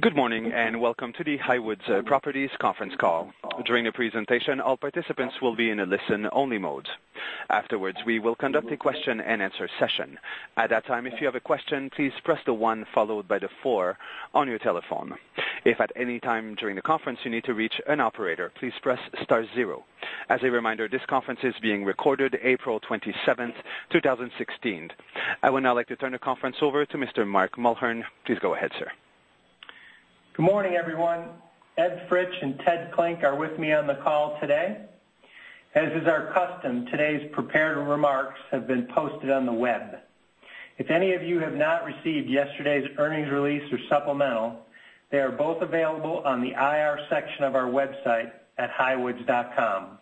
Good morning, welcome to the Highwoods Properties conference call. During the presentation, all participants will be in a listen-only mode. Afterwards, we will conduct a question-and-answer session. At that time, if you have a question, please press the one followed by the four on your telephone. If at any time during the conference you need to reach an operator, please press star zero. As a reminder, this conference is being recorded April 27th, 2016. I would now like to turn the conference over to Mr. Mark Mulhern. Please go ahead, sir. Good morning, everyone. Ed Fritsch and Ted Klinck are with me on the call today. As is our custom, today's prepared remarks have been posted on the web. If any of you have not received yesterday's earnings release or supplemental, they are both available on the IR section of our website at highwoods.com.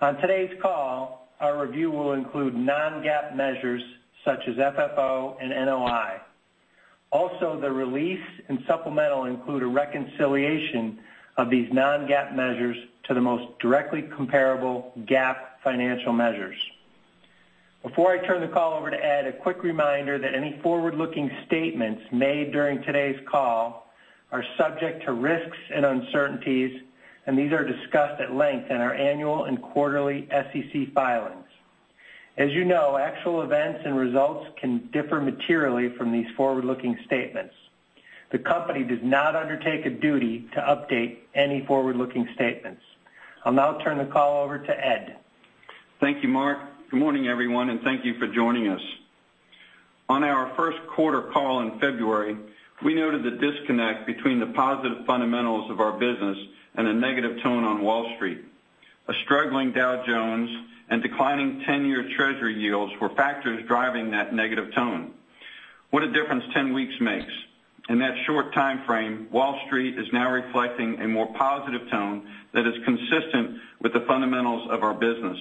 On today's call, our review will include non-GAAP measures such as FFO and NOI. The release and supplemental include a reconciliation of these non-GAAP measures to the most directly comparable GAAP financial measures. Before I turn the call over to Ed, a quick reminder that any forward-looking statements made during today's call are subject to risks and uncertainties, these are discussed at length in our annual and quarterly SEC filings. As you know, actual events and results can differ materially from these forward-looking statements. The company does not undertake a duty to update any forward-looking statements. I'll now turn the call over to Ed. Thank you, Mark. Good morning, everyone, thank you for joining us. On our first quarter call in February, we noted the disconnect between the positive fundamentals of our business and the negative tone on Wall Street. A struggling Dow Jones and declining 10-year Treasury yields were factors driving that negative tone. What a difference 10 weeks makes. In that short timeframe, Wall Street is now reflecting a more positive tone that is consistent with the fundamentals of our business.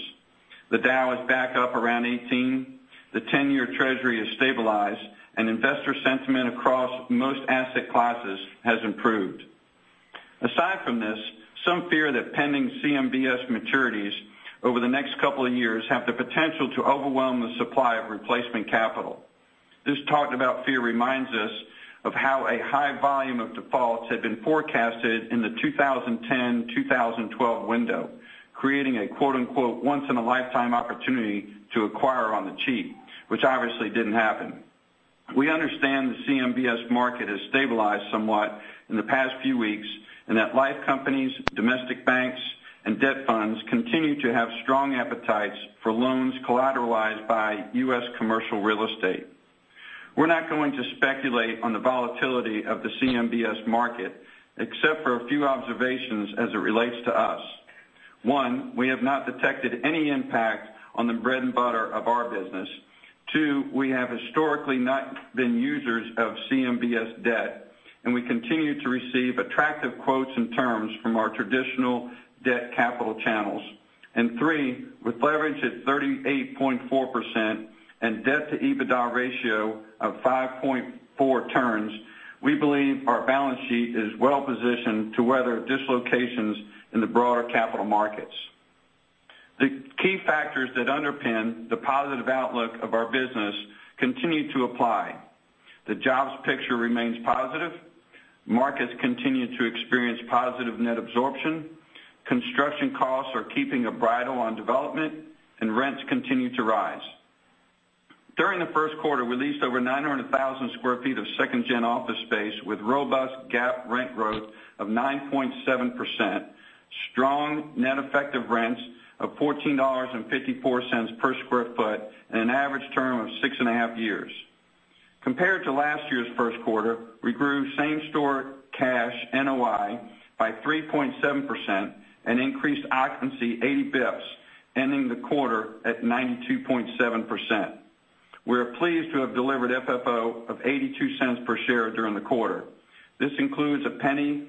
The Dow is back up around 18, the 10-year Treasury is stabilized, investor sentiment across most asset classes has improved. Aside from this, some fear that pending CMBS maturities over the next couple of years have the potential to overwhelm the supply of replacement capital. This talked-about fear reminds us of how a high volume of defaults had been forecasted in the 2010-2012 window, creating a quote-unquote, "Once-in-a-lifetime opportunity to acquire on the cheap," which obviously didn't happen. We understand the CMBS market has stabilized somewhat in the past few weeks, and that life companies, domestic banks, and debt funds continue to have strong appetites for loans collateralized by U.S. commercial real estate. We're not going to speculate on the volatility of the CMBS market, except for a few observations as it relates to us. One, we have not detected any impact on the bread and butter of our business. Two, we have historically not been users of CMBS debt, and we continue to receive attractive quotes and terms from our traditional debt capital channels. Three, with leverage at 38.4% and debt-to-EBITDA ratio of 5.4 turns, we believe our balance sheet is well-positioned to weather dislocations in the broader capital markets. The key factors that underpin the positive outlook of our business continue to apply. The jobs picture remains positive. Markets continue to experience positive net absorption. Construction costs are keeping a bridle on development, and rents continue to rise. During the first quarter, we leased over 900,000 sq ft of second-gen office space with robust GAAP rent growth of 9.7%, strong net effective rents of $14.54 per square foot, and an average term of six and a half years. Compared to last year's first quarter, we grew same store cash NOI by 3.7% and increased occupancy 80 basis points, ending the quarter at 92.7%. We are pleased to have delivered FFO of $0.82 per share during the quarter. This includes $0.015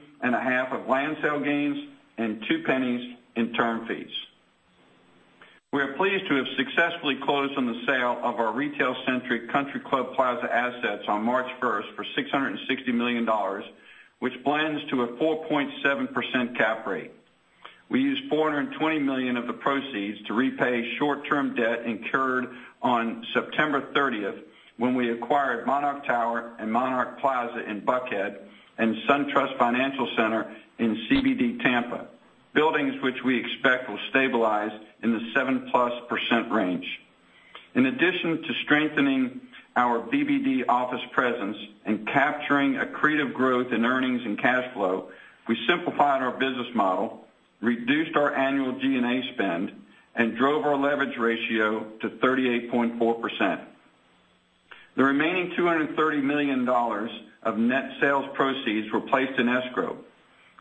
of land sale gains and $0.02 in term fees. We are pleased to have successfully closed on the sale of our retail-centric Country Club Plaza assets on March 1st for $660 million, which blends to a 4.7% cap rate. We used $420 million of the proceeds to repay short-term debt incurred on September 30th, when we acquired Monarch Tower and Monarch Plaza in Buckhead and SunTrust Financial Center in CBD Tampa, buildings which we expect will stabilize in the 7%+ range. In addition to strengthening our BBD office presence and capturing accretive growth in earnings and cash flow, we simplified our business model, reduced our annual G&A spend, and drove our leverage ratio to 38.4%. The remaining $230 million of net sales proceeds were placed in escrow.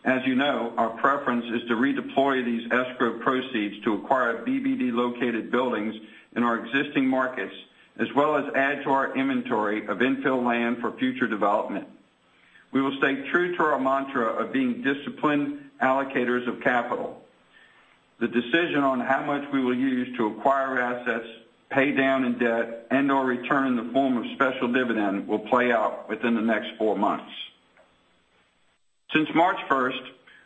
As you know, our preference is to redeploy these escrow proceeds to acquire BBD-located buildings in our existing markets, as well as add to our inventory of infill land for future development. We will stay true to our mantra of being disciplined allocators of capital. The decision on how much we will use to acquire assets, pay down in debt, and/or return in the form of special dividend will play out within the next four months. Since March 1st,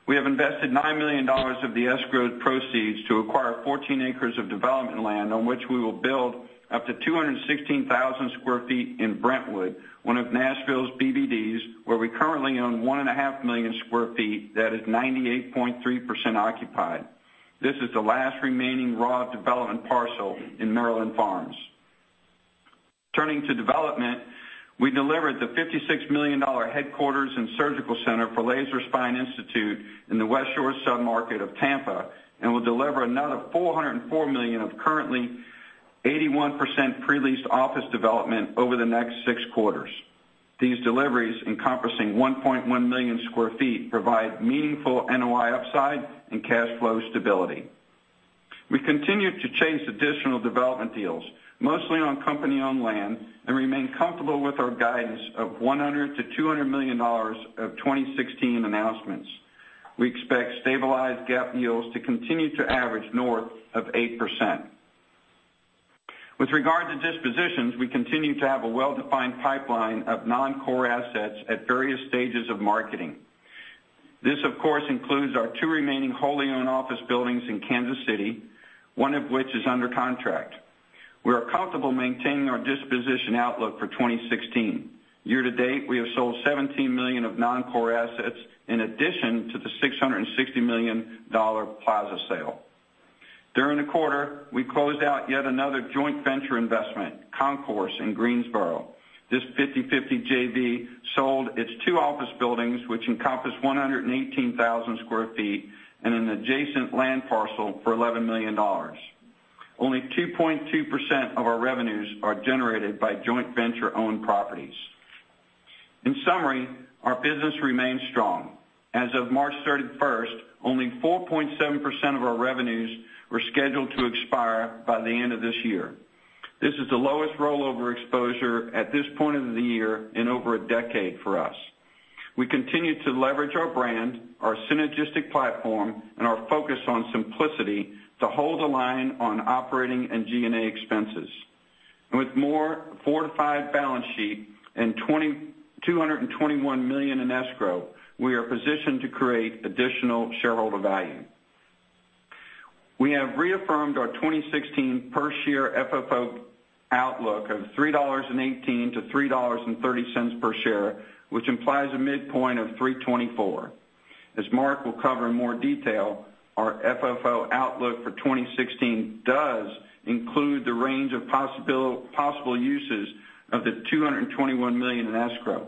we have invested $9 million of the escrowed proceeds to acquire 14 acres of development land on which we will build up to 216,000 sq ft in Brentwood, one of Nashville's BBDs, where we currently own 1,500,000 sq ft that is 98.3% occupied. This is the last remaining raw development parcel in Maryland Farms. Turning to development, we delivered the $56 million headquarters and surgical center for Laser Spine Institute in the West Shore submarket of Tampa and will deliver another $404 million of currently 81% pre-leased office development over the next six quarters. These deliveries, encompassing 1.1 million square feet, provide meaningful NOI upside and cash flow stability. We continue to chase additional development deals, mostly on company-owned land, and remain comfortable with our guidance of $100 million to $200 million of 2016 announcements. We expect stabilized GAAP deals to continue to average north of 8%. With regard to dispositions, we continue to have a well-defined pipeline of non-core assets at various stages of marketing. This, of course, includes our two remaining wholly-owned office buildings in Kansas City, one of which is under contract. We are comfortable maintaining our disposition outlook for 2016. Year-to-date, we have sold $17 million of non-core assets in addition to the $660 million Plaza sale. During the quarter, we closed out yet another joint venture investment, Concourse in Greensboro. This 50/50 JV sold its two office buildings, which encompass 118,000 sq ft, and an adjacent land parcel for $11 million. Only 2.2% of our revenues are generated by joint venture-owned properties. In summary, our business remains strong. As of March 31st, only 4.7% of our revenues were scheduled to expire by the end of this year. This is the lowest rollover exposure at this point of the year in over a decade for us. We continue to leverage our brand, our synergistic platform, and our focus on simplicity to hold the line on operating and G&A expenses. With more fortified balance sheet and $221 million in escrow, we are positioned to create additional shareholder value. We have reaffirmed our 2016 per-share FFO outlook of $3.18 to $3.30 per share, which implies a midpoint of $3.24. As Mark will cover in more detail, our FFO outlook for 2016 does include the range of possible uses of the $221 million in escrow.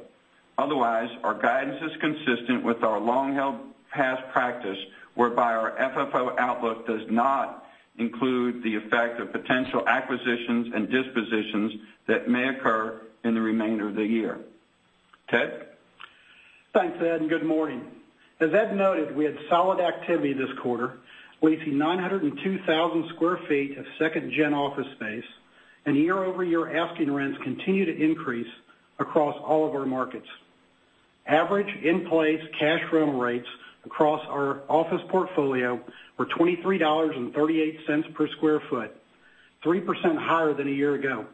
Otherwise, our guidance is consistent with our long-held past practice, whereby our FFO outlook does not include the effect of potential acquisitions and dispositions that may occur in the remainder of the year. Ted? Thanks, Ed, and good morning. As Ed noted, we had solid activity this quarter, leasing 902,000 sq ft of second-gen office space, and year-over-year asking rents continue to increase across all of our markets. Average in-place cash rental rates across our office portfolio were $23.38 per square foot, 3% higher than a year ago.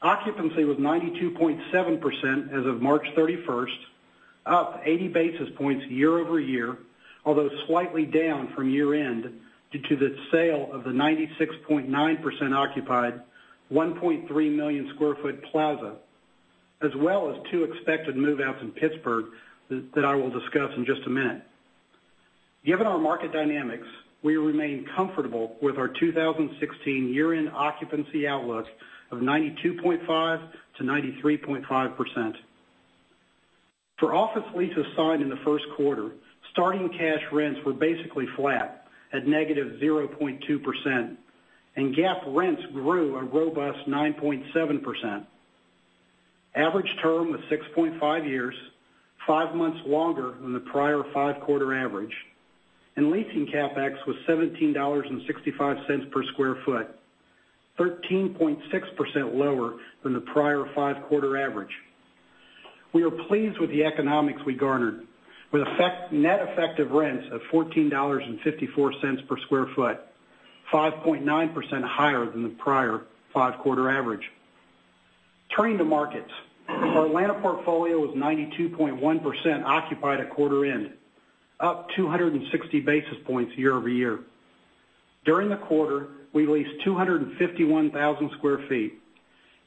Occupancy was 92.7% as of March 31st, up 80 basis points year-over-year, although slightly down from year-end due to the sale of the 96.9%-occupied, 1.3-million-square-foot Plaza, as well as two expected move-outs in Pittsburgh that I will discuss in just a minute. Given our market dynamics, we remain comfortable with our 2016 year-end occupancy outlook of 92.5% to 93.5%. For office leases signed in the first quarter, starting cash rents were basically flat at -0.2%, and GAAP rents grew a robust 9.7%. Average term was 6.5 years, five months longer than the prior five-quarter average, and leasing CapEx was $17.65 per square foot, 13.6% lower than the prior five-quarter average. We are pleased with the economics we garnered with net effective rents of $14.54 per square foot, 5.9% higher than the prior five-quarter average. Turning to markets, our Atlanta portfolio was 92.1% occupied at quarter end, up 260 basis points year-over-year. During the quarter, we leased 251,000 sq ft,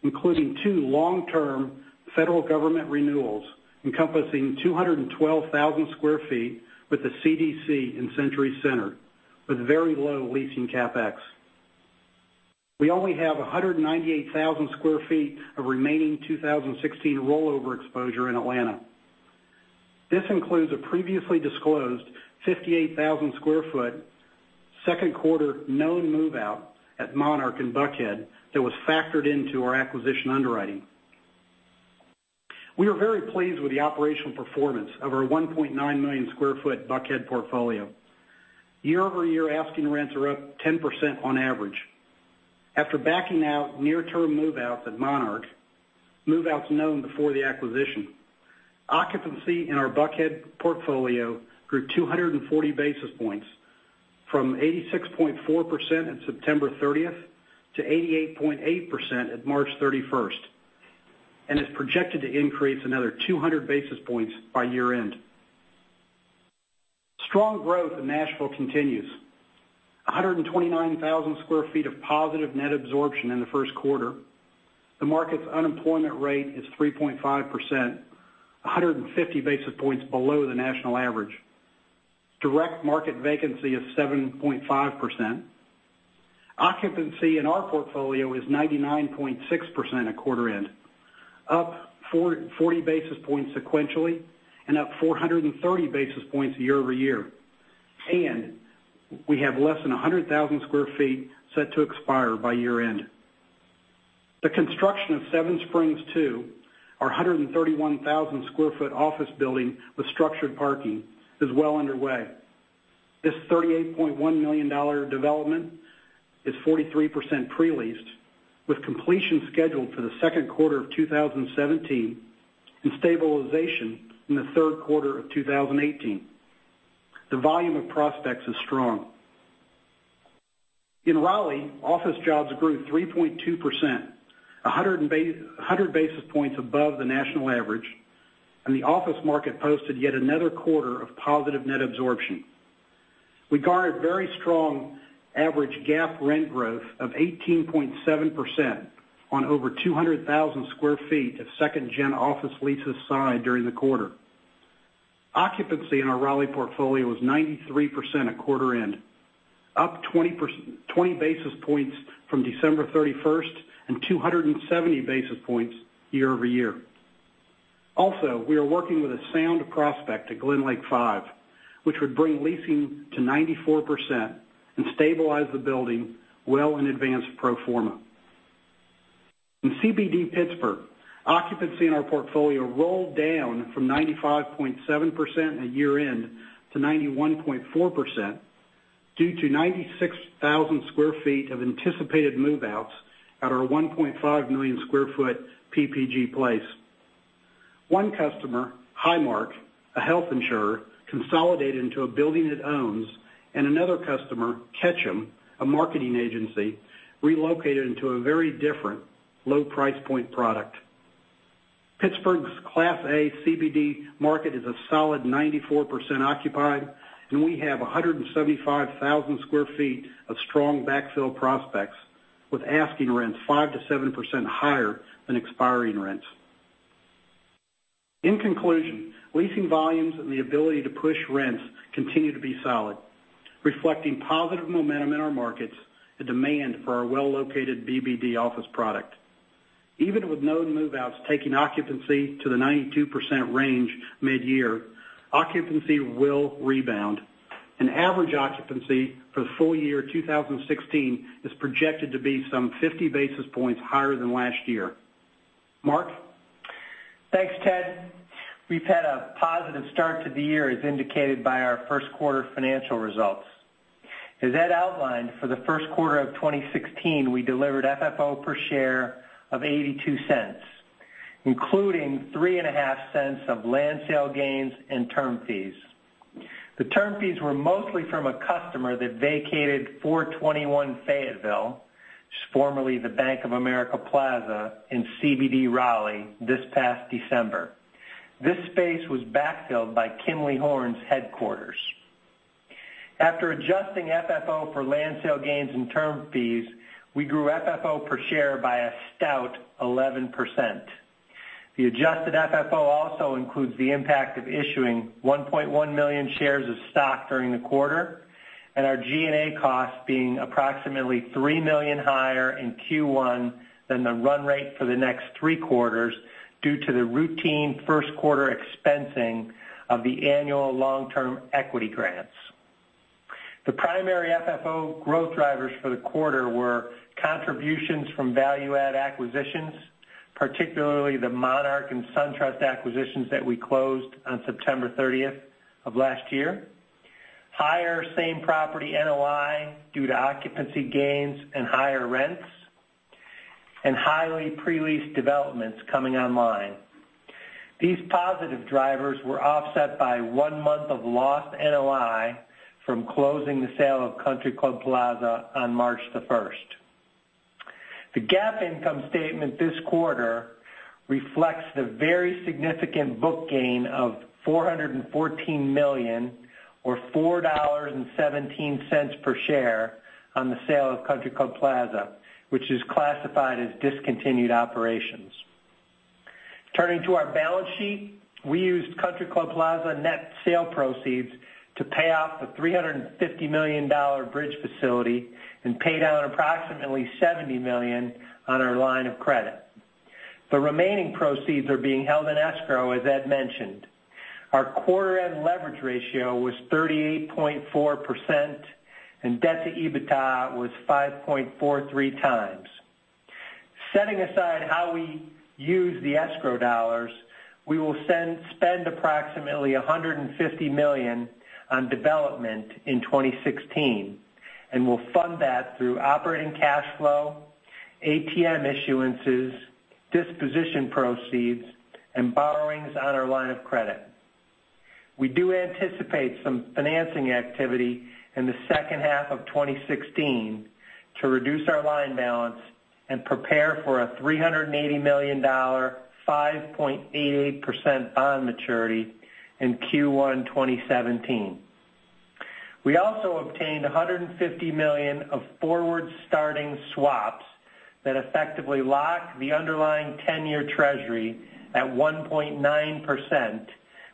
including two long-term federal government renewals encompassing 212,000 sq ft with the CDC and Century Center, with very low leasing CapEx. We only have 198,000 sq ft of remaining 2016 rollover exposure in Atlanta. This includes a previously disclosed 58,000 sq ft, second quarter known move-out at Monarch in Buckhead that was factored into our acquisition underwriting. We are very pleased with the operational performance of our 1.9-million-square-foot Buckhead portfolio. Year-over-year asking rents are up 10% on average. After backing out near-term move-outs at Monarch, move-outs known before the acquisition, occupancy in our Buckhead portfolio grew 240 basis points From 86.4% in September 30th to 88.8% at March 31st, and is projected to increase another 200 basis points by year-end. Strong growth in Nashville continues. 129,000 sq ft of positive net absorption in the first quarter. The market's unemployment rate is 3.5%, 150 basis points below the national average. Direct market vacancy is 7.5%. Occupancy in our portfolio is 99.6% at quarter end, up 40 basis points sequentially and up 430 basis points year-over-year. We have less than 100,000 sq ft set to expire by year-end. The construction of Seven Springs II, our 131,000-square-foot office building with structured parking, is well underway. This $38.1 million development is 43% pre-leased, with completion scheduled for the second quarter of 2017 and stabilization in the third quarter of 2018. The volume of prospects is strong. In Raleigh, office jobs grew 3.2%, 100 basis points above the national average, and the office market posted yet another quarter of positive net absorption. We garnered very strong average GAAP rent growth of 18.7% on over 200,000 sq ft of second-gen office leases signed during the quarter. Occupancy in our Raleigh portfolio was 93% at quarter end, up 20 basis points from December 31st and 270 basis points year-over-year. Also, we are working with a sound prospect at GlenLake Five, which would bring leasing to 94% and stabilize the building well in advance of pro forma. In CBD Pittsburgh, occupancy in our portfolio rolled down from 95.7% at year-end to 91.4% due to 96,000 sq ft of anticipated move-outs at our 1.5-million-square-foot PPG Place. One customer, Highmark, a health insurer, consolidated into a building it owns, and another customer, Ketchum, a marketing agency, relocated into a very different low price point product. Pittsburgh's Class A CBD market is a solid 94% occupied, and we have 175,000 sq ft of strong backfill prospects, with asking rents 5%-7% higher than expiring rents. In conclusion, leasing volumes and the ability to push rents continue to be solid, reflecting positive momentum in our markets and demand for our well-located BBD office product. Even with known move-outs taking occupancy to the 92% range mid-year, occupancy will rebound. An average occupancy for the full year 2016 is projected to be some 50 basis points higher than last year. Mark? Thanks, Ted. We've had a positive start to the year, as indicated by our first quarter financial results. As Ed outlined, for the first quarter of 2016, we delivered FFO per share of $0.82, including $0.035 of land sale gains and term fees. The term fees were mostly from a customer that vacated 421 Fayetteville, which was formerly the Bank of America Plaza in CBD Raleigh this past December. This space was backfilled by Kimley-Horn's headquarters. After adjusting FFO for land sale gains and term fees, we grew FFO per share by a stout 11%. The adjusted FFO also includes the impact of issuing 1.1 million shares of stock during the quarter, and our G&A costs being approximately $3 million higher in Q1 than the run rate for the next three quarters due to the routine first quarter expensing of the annual long-term equity grants. The primary FFO growth drivers for the quarter were contributions from value-add acquisitions, particularly the Monarch and SunTrust acquisitions that we closed on September 30th of last year. Higher same property NOI due to occupancy gains and higher rents, and highly pre-leased developments coming online. These positive drivers were offset by one month of lost NOI from closing the sale of Country Club Plaza on March the 1st. The GAAP income statement this quarter reflects the very significant book gain of $414 million or $4.17 per share on the sale of Country Club Plaza, which is classified as discontinued operations. Turning to our balance sheet, we used Country Club Plaza net sale proceeds to pay off the $350 million bridge facility and pay down approximately $70 million on our line of credit. The remaining proceeds are being held in escrow, as Ed mentioned. Our quarter-end leverage ratio was 38.4%, and debt to EBITDA was 5.43 times. Setting aside how we use the escrow dollars, we will spend approximately $150 million on development in 2016. We'll fund that through operating cash flow, ATM issuances, disposition proceeds, and borrowings on our line of credit. We do anticipate some financing activity in the second half of 2016 to reduce our line balance and prepare for a $380 million, 5.88% bond maturity in Q1 2017. We also obtained $150 million of forward-starting swaps that effectively lock the underlying 10-year Treasury at 1.9%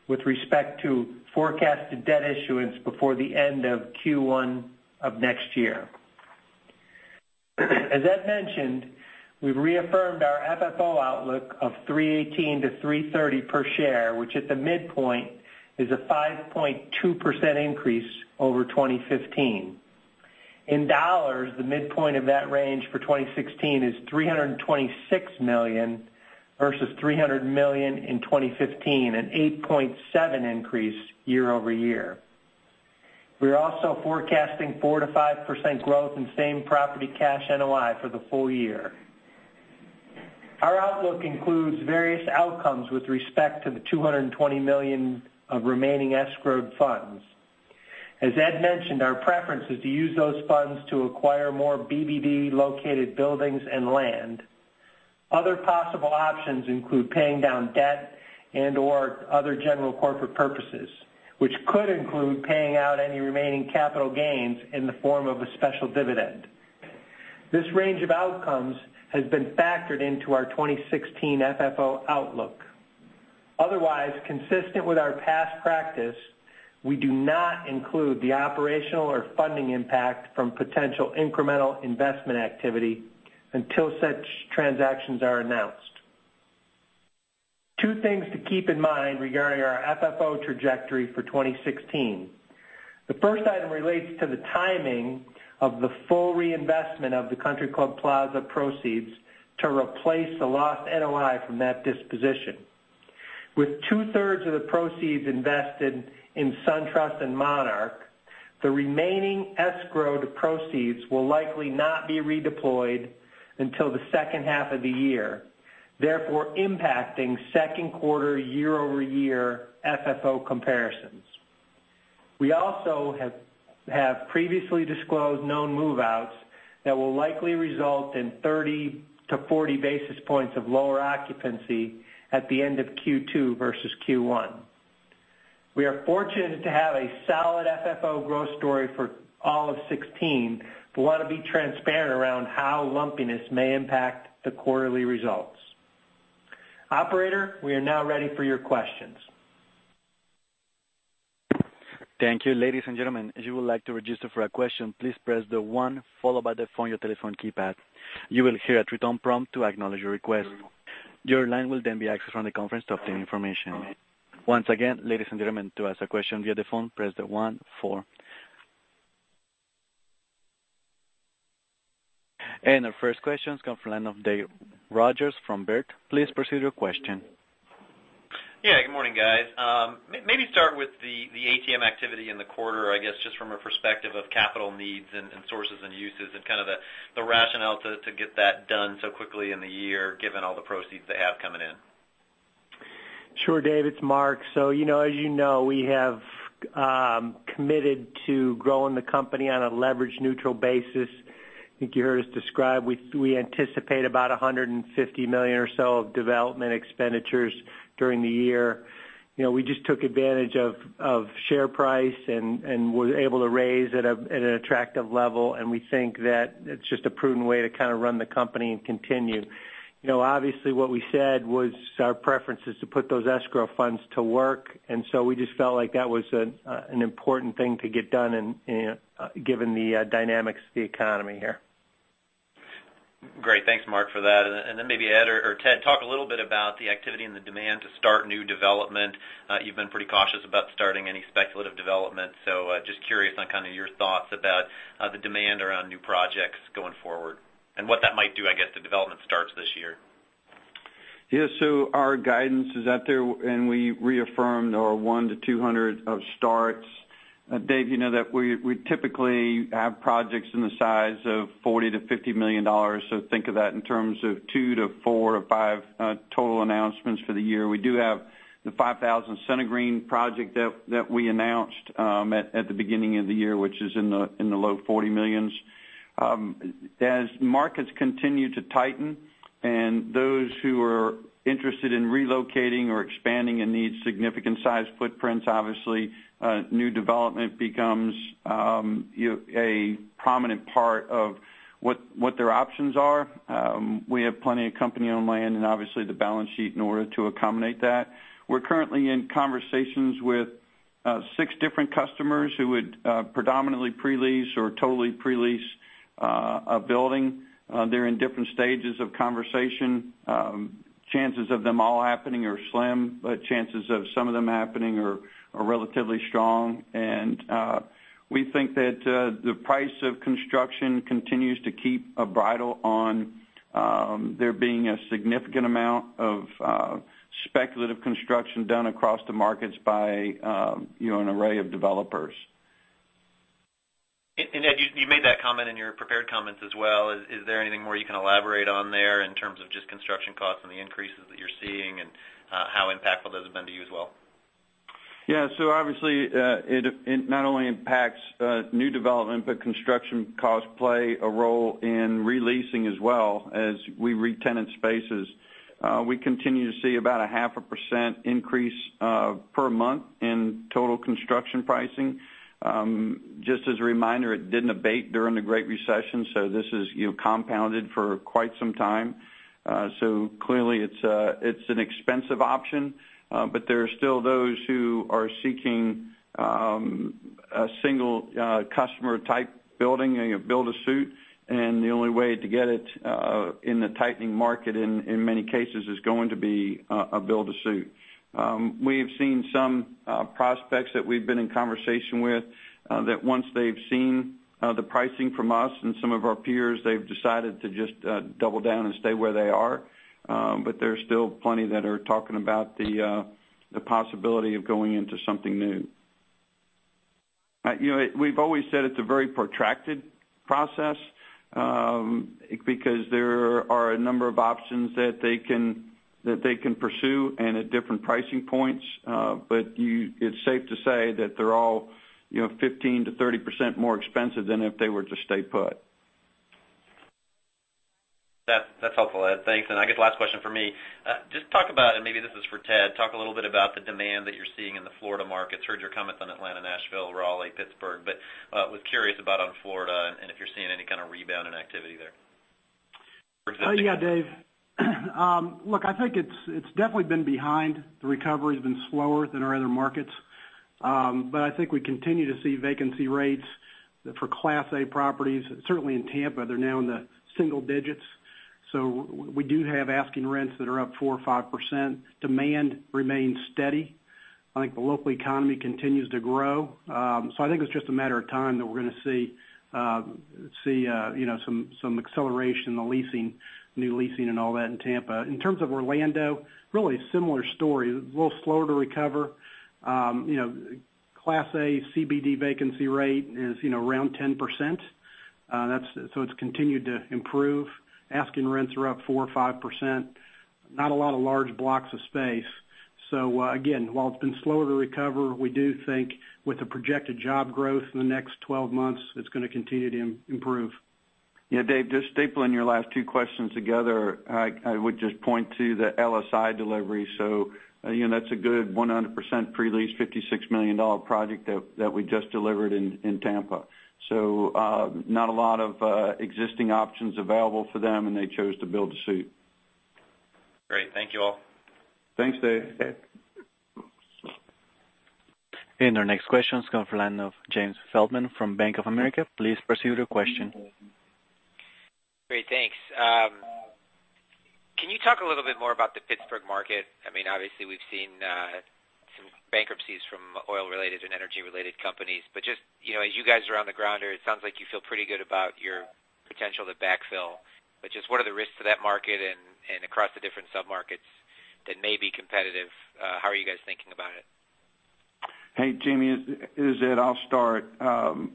with respect to forecasted debt issuance before the end of Q1 of next year. As Ed mentioned, we've reaffirmed our FFO outlook of $3.18 to $3.30 per share, which at the midpoint is a 5.2% increase over 2015. In dollars, the midpoint of that range for 2016 is $326 million versus $300 million in 2015, an 8.7 increase year-over-year. We are also forecasting 4%-5% growth in same-property cash NOI for the full year. Our outlook includes various outcomes with respect to the $220 million of remaining escrowed funds. As Ed mentioned, our preference is to use those funds to acquire more BBD-located buildings and land. Other possible options include paying down debt and/or other general corporate purposes, which could include paying out any remaining capital gains in the form of a special dividend. This range of outcomes has been factored into our 2016 FFO outlook. Otherwise, consistent with our past practice, we do not include the operational or funding impact from potential incremental investment activity until such transactions are announced. Two things to keep in mind regarding our FFO trajectory for 2016. The first item relates to the timing of the full reinvestment of the Country Club Plaza proceeds to replace the lost NOI from that disposition. With two-thirds of the proceeds invested in SunTrust and Monarch, the remaining escrowed proceeds will likely not be redeployed until the second half of the year, therefore impacting second quarter year-over-year FFO comparisons. We also have previously disclosed known move-outs that will likely result in 30 to 40 basis points of lower occupancy at the end of Q2 versus Q1. We are fortunate to have a solid FFO growth story for all of 2016, but want to be transparent around how lumpiness may impact the quarterly results. Operator, we are now ready for your questions. Thank you. Ladies and gentlemen, if you would like to register for a question, please press the one followed by the pound on your telephone keypad. You will hear a return prompt to acknowledge your request. Your line will then be accessed from the conference to obtain information. Once again, ladies and gentlemen, to ask a question via the phone, press the one followed by the pound key. Our first question comes from the line of David Rodgers from Baird. Please proceed with your question. Good morning, guys. Maybe start with the ATM activity in the quarter, I guess, just from a perspective of capital needs and sources and uses and kind of the rationale to get that done so quickly in the year, given all the proceeds they have coming in. Sure, Dave, it's Mark. As you know, we have committed to growing the company on a leverage-neutral basis. I think you heard us describe, we anticipate about $150 million or so of development expenditures during the year. We just took advantage of share price and were able to raise at an attractive level, and we think that it's just a prudent way to kind of run the company and continue. Obviously, what we said was our preference is to put those escrow funds to work. We just felt like that was an important thing to get done given the dynamics of the economy here. Great. Thanks, Mark, for that. Maybe Ed or Ted, talk a little bit about the activity and the demand to start new development. You've been pretty cautious about starting any speculative development. Just curious on kind of your thoughts about the demand around new projects going forward and what that might do, I guess, to development starts this year. Our guidance is out there, and we reaffirmed our 1 to 200 of starts. Dave, you know that we typically have projects in the size of $40 million to $50 million. Think of that in terms of two to four or five total announcements for the year. We do have the 5000 CentreGreen project that we announced at the beginning of the year, which is in the low $40 millions. As markets continue to tighten and those who are interested in relocating or expanding and need significant size footprints, obviously, new development becomes a prominent part of what their options are. We have plenty of company-owned land and obviously the balance sheet in order to accommodate that. We're currently in conversations with six different customers who would predominantly pre-lease or totally pre-lease a building. They're in different stages of conversation. Chances of them all happening are slim, but chances of some of them happening are relatively strong. We think that the price of construction continues to keep a bridle on there being a significant amount of speculative construction done across the markets by an array of developers. Ed, you made that comment in your prepared comments as well. Is there anything more you can elaborate on there in terms of just construction costs and the increases that you're seeing and how impactful those have been to you as well? Yeah. Obviously, it not only impacts new development, but construction costs play a role in re-leasing as well as we re-tenant spaces. We continue to see about a half a % increase per month in total construction pricing. Just as a reminder, it didn't abate during the Great Recession, so this is compounded for quite some time. Clearly it's an expensive option, but there are still those who are seeking a single customer type building, a build to suit, and the only way to get it in the tightening market in many cases is going to be a build to suit. We have seen some prospects that we've been in conversation with, that once they've seen the pricing from us and some of our peers, they've decided to just double down and stay where they are. There's still plenty that are talking about the possibility of going into something new. We've always said it's a very protracted process, because there are a number of options that they can pursue and at different pricing points. It's safe to say that they're all 15%-30% more expensive than if they were to stay put. That's helpful, Ed, thanks. I guess last question from me. Just talk about, and maybe this is for Ted, talk a little bit about the demand that you're seeing in the Florida markets. Heard your comments on Atlanta, Nashville, Raleigh, Pittsburgh, but was curious about on Florida and if you're seeing any kind of rebound in activity there. Dave. I think it's definitely been behind. The recovery's been slower than our other markets. I think we continue to see vacancy rates for Class A properties. Certainly in Tampa, they're now in the single digits. We do have asking rents that are up 4% or 5%. Demand remains steady. I think the local economy continues to grow. I think it's just a matter of time that we're going to see some acceleration in the leasing, new leasing and all that in Tampa. In terms of Orlando, really similar story. A little slower to recover. Class A CBD vacancy rate is around 10%. It's continued to improve. Asking rents are up 4% or 5%. Not a lot of large blocks of space. Again, while it's been slower to recover, we do think with the projected job growth in the next 12 months, it's going to continue to improve. Dave, just stapling your last two questions together, I would just point to the LSI delivery. That's a good 100% pre-leased $56 million project that we just delivered in Tampa. Not a lot of existing options available for them, and they chose to build to suit. Great. Thank you all. Thanks, Dave. Thanks, Dave. Our next question's coming from the line of Jamie Feldman from Bank of America. Please proceed with your question. Great, thanks. Can you talk a little bit more about the Pittsburgh market? Obviously, we've seen some bankruptcies from oil-related and energy-related companies, just as you guys are on the ground, or it sounds like you feel pretty good about your potential to backfill, just what are the risks to that market and across the different sub-markets that may be competitive? How are you guys thinking about it? Hey, Jamie. It is Ed. I'll start.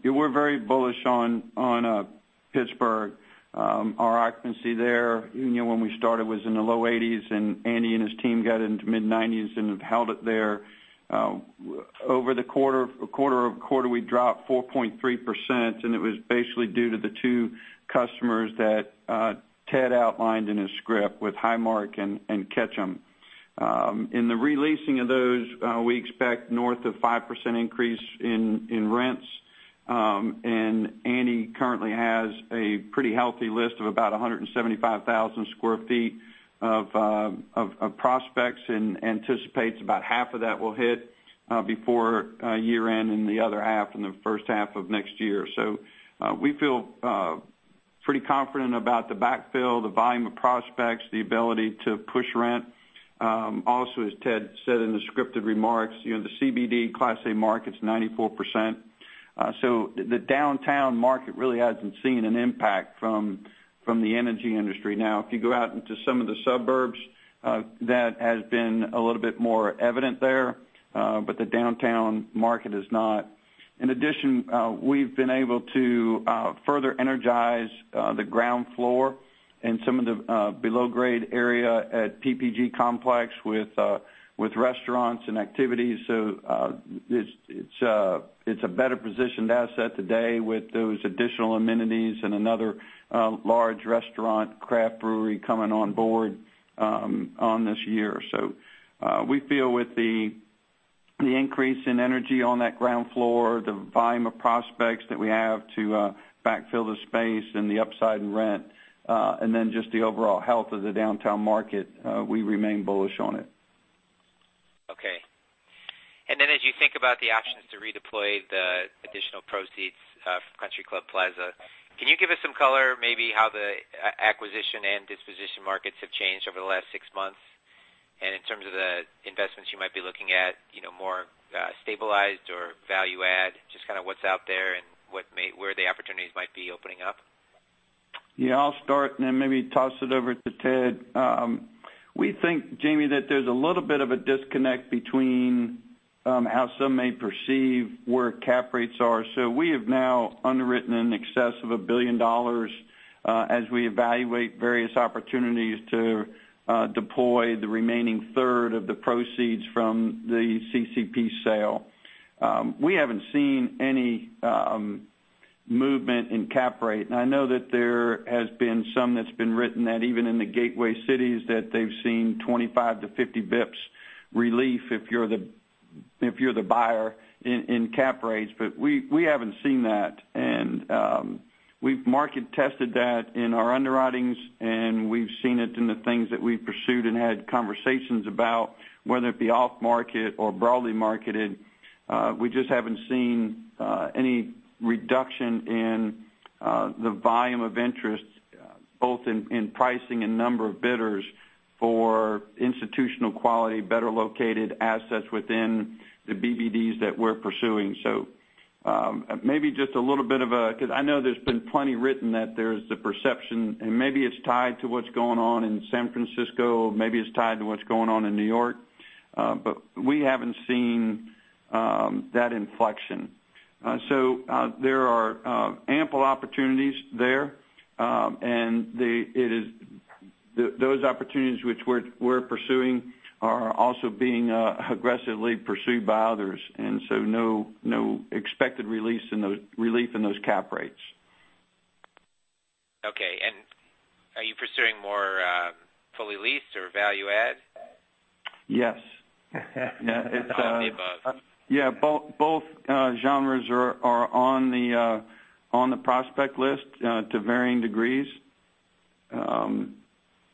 We're very bullish on Pittsburgh. Our occupancy there when we started was in the low 80s, Andy and his team got into mid-90s and have held it there. Quarter-over-quarter, we dropped 4.3%, it was basically due to the two customers that Ted outlined in his script with Highmark and Ketchum. In the re-leasing of those, we expect north of 5% increase in rents. Andy currently has a pretty healthy list of about 175,000 sq ft of prospects and anticipates about half of that will hit before year-end and the other half in the first half of next year. We feel pretty confident about the backfill, the volume of prospects, the ability to push rent. As Ted said in the scripted remarks, the CBD Class A market's 94%. The downtown market really hasn't seen an impact from the energy industry. Now, if you go out into some of the suburbs, that has been a little bit more evident there. The downtown market is not. In addition, we've been able to further energize the ground floor in some of the below-grade area at PPG Place with restaurants and activities. It's a better positioned asset today with those additional amenities and another large restaurant, craft brewery coming on board this year. We feel with the increase in energy on that ground floor, the volume of prospects that we have to backfill the space and the upside in rent, and then just the overall health of the downtown market, we remain bullish on it. Okay. As you think about the options to redeploy the additional proceeds from Country Club Plaza, can you give us some color, maybe how the acquisition and disposition markets have changed over the last six months? In terms of the investments you might be looking at, more stabilized or value add, just what's out there and where the opportunities might be opening up? Yeah, I'll start and then maybe toss it over to Ted. We think, Jamie, that there's a little bit of a disconnect between how some may perceive where cap rates are. We have now underwritten in excess of $1 billion as we evaluate various opportunities to deploy the remaining third of the proceeds from the CCP sale. We haven't seen any movement in cap rate. I know that there has been some that's been written that even in the gateway cities, that they've seen 25 to 50 basis points relief if you're the buyer in cap rates. We haven't seen that, and we've market-tested that in our underwritings, and we've seen it in the things that we've pursued and had conversations about, whether it be off-market or broadly marketed. We just haven't seen any reduction in the volume of interest, both in pricing and number of bidders, for institutional quality, better located assets within the BBDs that we're pursuing. Maybe just a little bit of a because I know there's been plenty written that there's the perception, and maybe it's tied to what's going on in San Francisco, maybe it's tied to what's going on in New York, we haven't seen that inflection. There are ample opportunities there. Those opportunities which we're pursuing are also being aggressively pursued by others. No expected relief in those cap rates. Okay, are you pursuing more fully leased or value add? Yes. All of the above. Yeah, both genres are on the prospect list to varying degrees.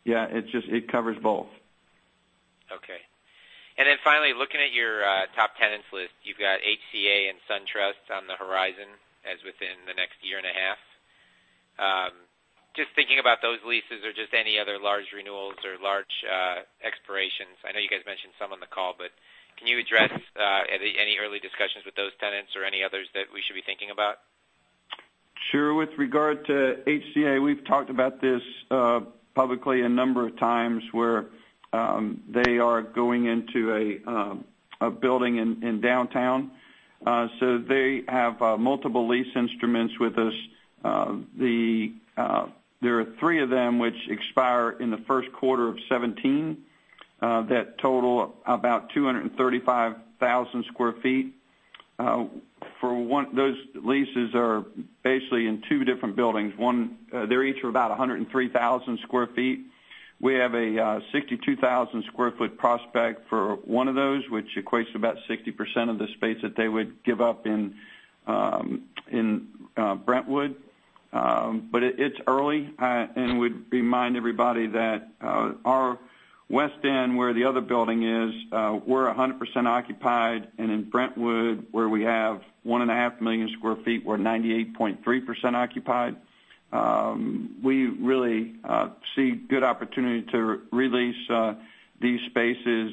Yeah, it covers both. Okay. Finally, looking at your top tenants list, you've got HCA and SunTrust on the horizon as within the next year and a half. Just thinking about those leases or any other large renewals or large expirations. I know you guys mentioned some on the call, but can you address any early discussions with those tenants or any others that we should be thinking about? Sure. With regard to HCA, we've talked about this publicly a number of times, where they are going into a building in downtown. They have multiple lease instruments with us. There are three of them which expire in the first quarter of 2017, that total about 235,000 sq ft. Those leases are basically in two different buildings. They each are about 103,000 sq ft. We have a 62,000 sq ft prospect for one of those, which equates to about 60% of the space that they would give up in Brentwood. It's early, and would remind everybody that our West End, where the other building is, we're 100% occupied. In Brentwood, where we have 1.5 million sq ft, we're 98.3% occupied. We really see good opportunity to re-lease these spaces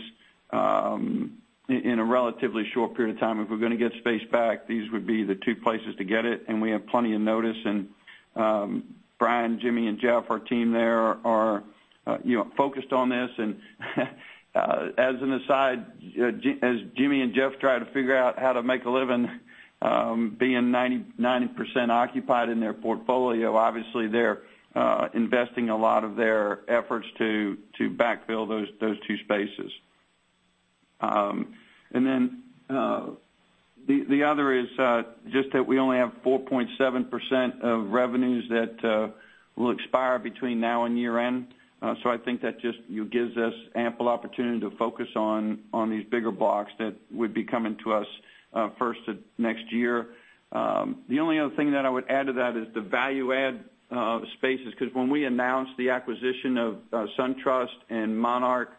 in a relatively short period of time. If we're going to get space back, these would be the two places to get it, and we have plenty of notice. Brian, Jimmy, and Jeff, our team there, are focused on this. As an aside, as Jimmy and Jeff try to figure out how to make a living being 90% occupied in their portfolio. Obviously, they're investing a lot of their efforts to backfill those two spaces. The other is just that we only have 4.7% of revenues that will expire between now and year-end. I think that just gives us ample opportunity to focus on these bigger blocks that would be coming to us first of next year. The only other thing that I would add to that is the value add spaces, because when we announced the acquisition of SunTrust and Monarch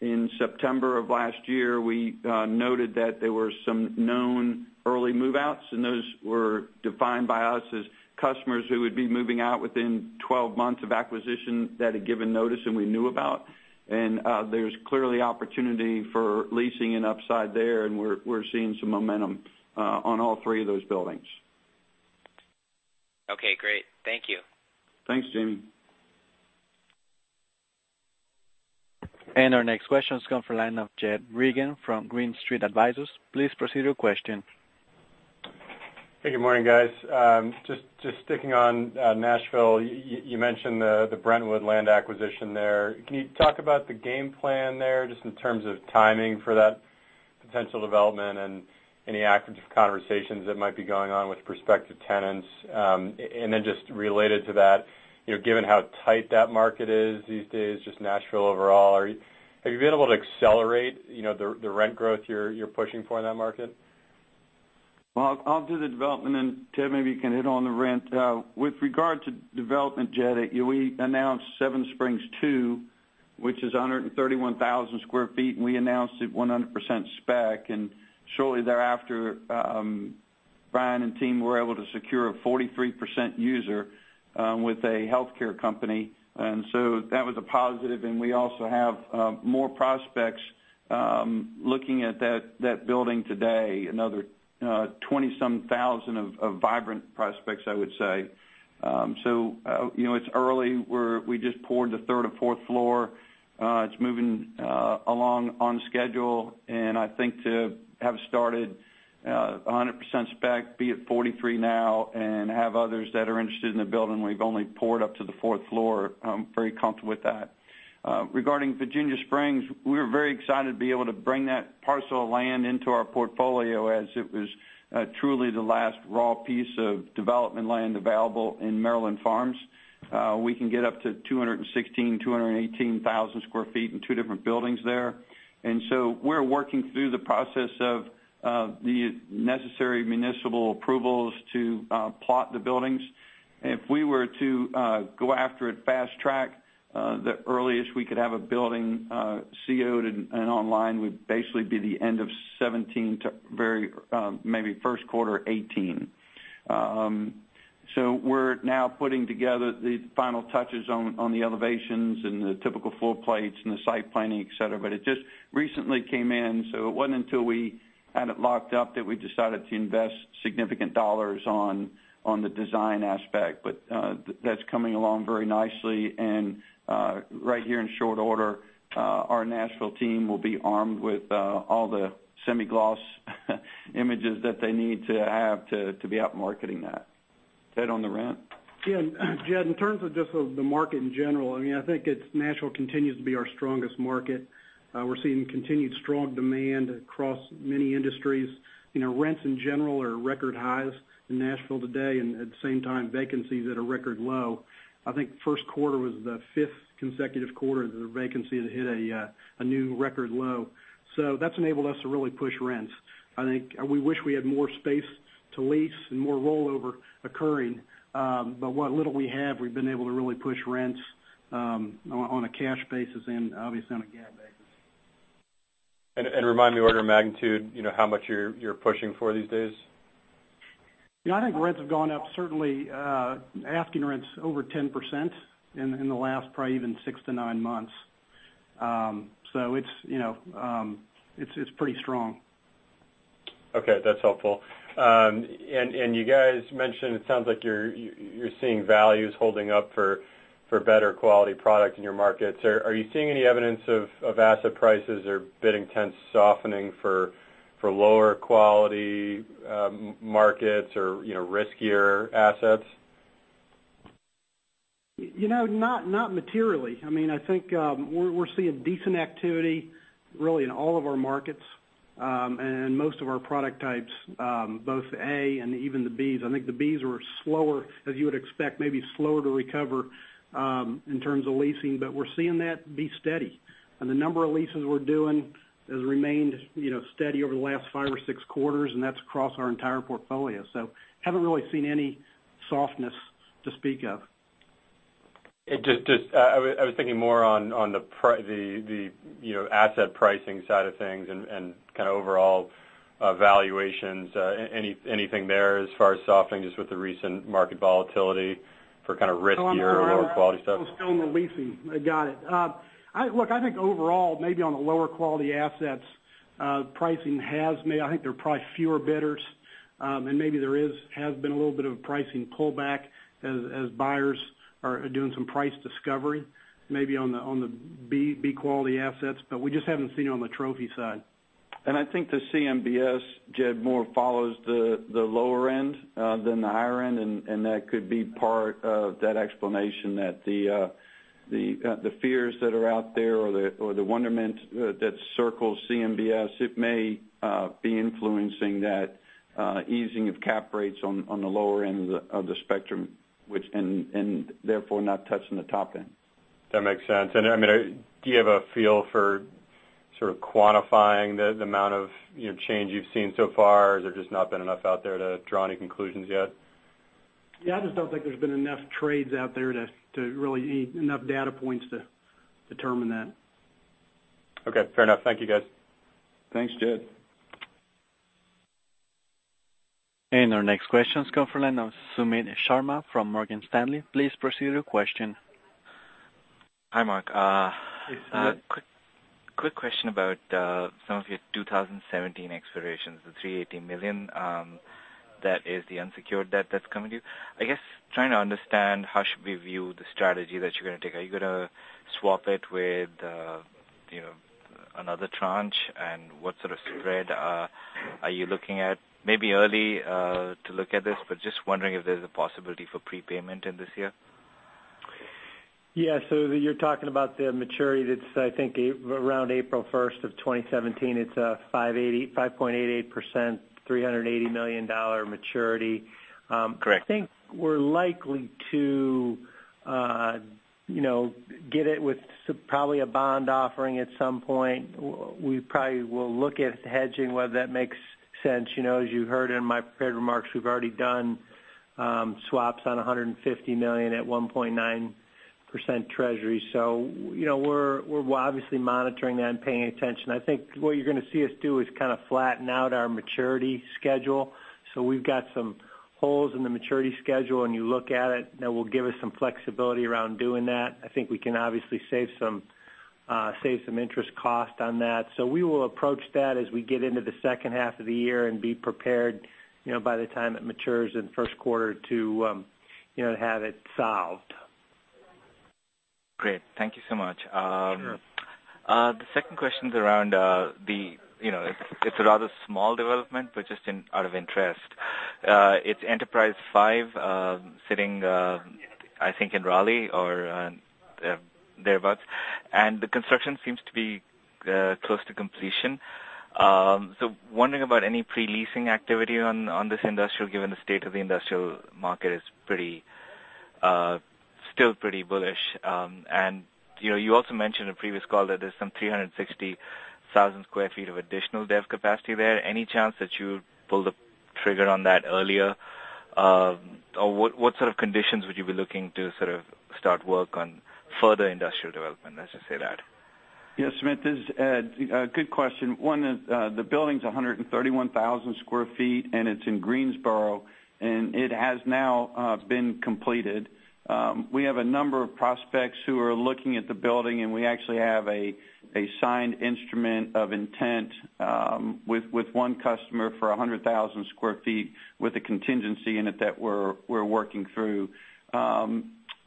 in September of last year, we noted that there were some known early move-outs, and those were defined by us as customers who would be moving out within 12 months of acquisition that had given notice and we knew about. There's clearly opportunity for leasing and upside there, and we're seeing some momentum on all three of those buildings. Okay, great. Thank you. Thanks, Jamie. Our next question's come from the line of Jed Reagan from Green Street Advisors. Please proceed with your question. Hey, good morning, guys. Just sticking on Nashville, you mentioned the Brentwood land acquisition there. Can you talk about the game plan there, just in terms of timing for that potential development and any active conversations that might be going on with prospective tenants? Just related to that, given how tight that market is these days, just Nashville overall, have you been able to accelerate the rent growth you're pushing for in that market? I'll do the development, Ted, maybe you can hit on the rent. With regard to development, Jed, we announced Seven Springs II, which is 131,000 sq ft, we announced it 100% spec. Shortly thereafter Brian and team were able to secure a 43% user with a healthcare company, that was a positive. We also have more prospects looking at that building today, another 20 some thousand of vibrant prospects, I would say. It's early. We just poured the third or fourth floor. It's moving along on schedule. I think to have started 100% spec, be at 43% now, and have others that are interested in the building, we've only poured up to the fourth floor. I'm very comfortable with that. Regarding Virginia Springs, we were very excited to be able to bring that parcel of land into our portfolio, as it was truly the last raw piece of development land available in Maryland Farms. We can get up to 216,000 sq ft, 218,000 sq ft in two different buildings there. We're working through the process of the necessary municipal approvals to plot the buildings. If we were to go after it fast track, the earliest we could have a building CO'd and online would basically be the end of 2017 to maybe first quarter 2018. We're now putting together the final touches on the elevations and the typical floor plates and the site planning, et cetera. It just recently came in, so it wasn't until we had it locked up that we decided to invest significant dollars on the design aspect. That's coming along very nicely. Right here in short order, our Nashville team will be armed with all the semi-gloss images that they need to have to be out marketing that. Ted on the rent. Jed, in terms of just of the market in general, I think Nashville continues to be our strongest market. We're seeing continued strong demand across many industries. Rents in general are at record highs in Nashville today. At the same time, vacancy is at a record low. I think first quarter was the fifth consecutive quarter that vacancy hit a new record low. That's enabled us to really push rents. I think we wish we had more space to lease and more rollover occurring. What little we have, we've been able to really push rents on a cash basis and obviously on a GAAP basis. Remind me order of magnitude, how much you're pushing for these days. I think rents have gone up, certainly asking rents over 10% in the last probably even six to nine months. It's pretty strong. Okay, that's helpful. You guys mentioned, it sounds like you're seeing values holding up for better quality product in your markets. Are you seeing any evidence of asset prices or bidding trends softening for lower quality markets or riskier assets? Not materially. I think we're seeing decent activity really in all of our markets, and most of our product types, both the A and even the Bs. I think the Bs were slower, as you would expect, maybe slower to recover in terms of leasing. We're seeing that be steady. The number of leases we're doing has remained steady over the last five or six quarters, and that's across our entire portfolio. Haven't really seen any softness to speak of. I was thinking more on the asset pricing side of things and kind of overall valuations. Anything there as far as softening, just with the recent market volatility for kind of riskier or lower quality stuff? I'm still on the leasing. Got it. Look, I think overall, maybe on the lower quality assets pricing has maybe. I think there are probably fewer bidders. Maybe there has been a little bit of a pricing pullback as buyers are doing some price discovery, maybe on the B quality assets, but we just haven't seen it on the trophy side. I think the CMBS, Jed, more follows the lower end than the higher end, that could be part of that explanation that the fears that are out there or the wonderment that circles CMBS, it may be influencing that easing of cap rates on the lower end of the spectrum and therefore not touching the top end. That makes sense. Do you have a feel for sort of quantifying the amount of change you've seen so far? Has there just not been enough out there to draw any conclusions yet? Yeah, I just don't think there's been enough trades out there to enough data points to determine that. Okay, fair enough. Thank you, guys. Thanks, Jed. Our next question is coming from Sumit Sharma from Morgan Stanley. Please proceed with your question. Hi, Mark. Yes. A quick question about some of your 2017 expirations, the $318 million, that is the unsecured debt that's coming due. I guess trying to understand how should we view the strategy that you're going to take. Are you going to swap it with another tranche? What sort of spread are you looking at? Maybe early to look at this, but just wondering if there's a possibility for prepayment in this year. Yeah. You're talking about the maturity that's, I think, around April 1st of 2017. It's a 5.88%, $380 million maturity. Correct. I think we're likely to get it with probably a bond offering at some point. We probably will look at hedging, whether that makes sense. As you heard in my prepared remarks, we've already done swaps on $150 million at 1.9% Treasury. We're obviously monitoring that and paying attention. I think what you're going to see us do is kind of flatten out our maturity schedule. We've got some holes in the maturity schedule, and you look at it, that will give us some flexibility around doing that. I think we can obviously save some interest cost on that. We will approach that as we get into the second half of the year and be prepared, by the time it matures in the first quarter to have it solved. Great. Thank you so much. Sure. The second question's around it's a rather small development, but just out of interest. It's Enterprise Five, sitting, I think in Raleigh or thereabouts, and the construction seems to be close to completion. Wondering about any pre-leasing activity on this industrial, given the state of the industrial market is still pretty bullish. You also mentioned in a previous call that there's some 360,000 sq ft of additional dev capacity there. Any chance that you would pull the trigger on that earlier? Or what sort of conditions would you be looking to sort of start work on further industrial development? Let's just say that. Yes, Sumit, this is Ed. Good question. One is, the building's 131,000 sq ft and it's in Greensboro. It has now been completed. We have a number of prospects who are looking at the building. We actually have a signed instrument of intent, with one customer for 100,000 sq ft with a contingency in it that we're working through.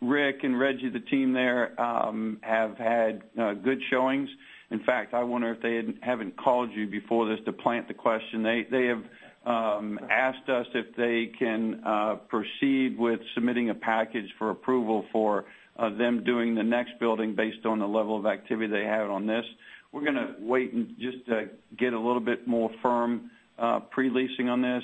Rick and Reggie, the team there, have had good showings. In fact, I wonder if they haven't called you before this to plant the question. They have asked us if they can proceed with submitting a package for approval for them doing the next building based on the level of activity they have on this. We're gonna wait and just to get a little bit more firm pre-leasing on this,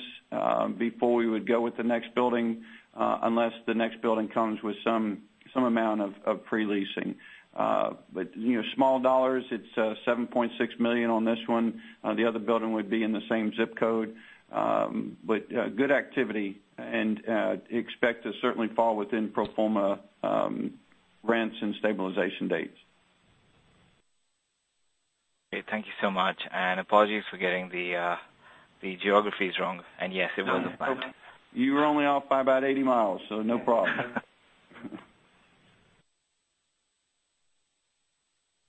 before we would go with the next building, unless the next building comes with some amount of pre-leasing. Small dollars, it's $7.6 million on this one. The other building would be in the same zip code. Good activity and expect to certainly fall within pro forma rents and stabilization dates. Okay. Thank you so much, and apologies for getting the geographies wrong. Yes, it was a plant. You were only off by about 80 miles, no problem.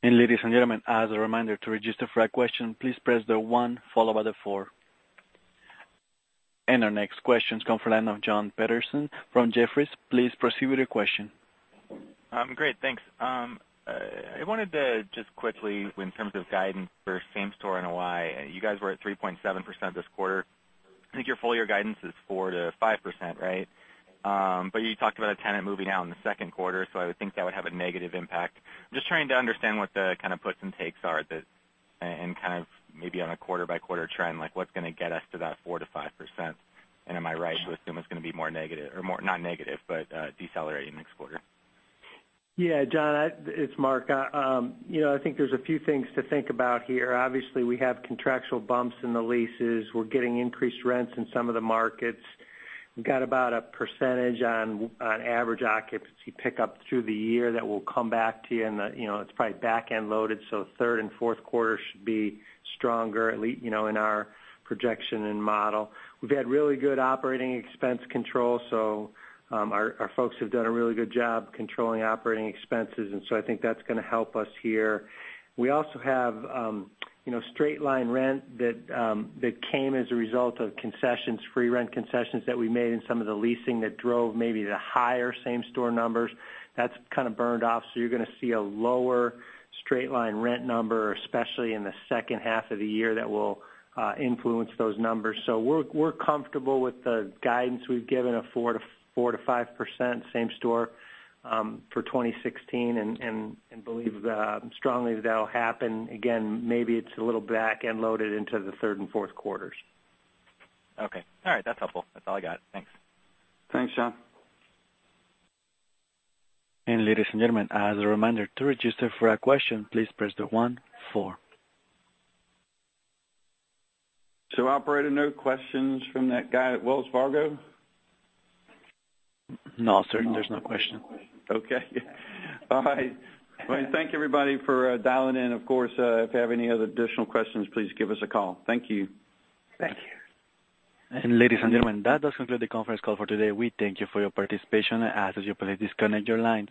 Ladies and gentlemen, as a reminder, to register for a question, please press the one followed by the four. Our next question's come from the line of Jon Petersen from Jefferies. Please proceed with your question. Great. Thanks. I wanted to just quickly, in terms of guidance for same-store NOI, you guys were at 3.7% this quarter. I think your full year guidance is 4%-5%, right? You talked about a tenant moving out in the second quarter, so I would think that would have a negative impact. I'm just trying to understand what the kind of puts and takes are, and kind of maybe on a quarter-by-quarter trend, like what's gonna get us to that 4% to 5%? Am I right to assume it's gonna be more negative or not negative, but decelerating next quarter? Yeah, John, it's Mark. I think there's a few things to think about here. Obviously, we have contractual bumps in the leases. We're getting increased rents in some of the markets. We've got about a percentage on average occupancy pickup through the year that we'll come back to you in the It's probably back-end loaded, so third and fourth quarter should be stronger, at least in our projection and model. We've had really good operating expense control, so our folks have done a really good job controlling operating expenses, and so I think that's gonna help us here. We also have straight line rent that came as a result of concessions, free rent concessions that we made in some of the leasing that drove maybe the higher same-store numbers. That's kind of burned off, you're going to see a lower straight line rent number, especially in the second half of the year that will influence those numbers. We're comfortable with the guidance we've given of 4%-5% same store, for 2016 and believe strongly that will happen again. Maybe it's a little back-end loaded into the third and fourth quarters. Okay. All right. That's helpful. That's all I got. Thanks. Thanks, John. Ladies and gentlemen, as a reminder to register for a question, please press the one, four. operator, no questions from that guy at Wells Fargo? No, sir. There's no question. Okay. All right. Well, thank you everybody for dialing in. Of course, if you have any other additional questions, please give us a call. Thank you. Thank you. Ladies and gentlemen, that does conclude the conference call for today. We thank you for your participation. I ask that you please disconnect your lines.